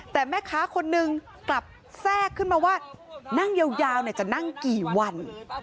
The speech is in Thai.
แต่แม่ค้าคนนึงกลับแทรกขึ้นมาว่านั่งยาวจะนั่งกี่วัน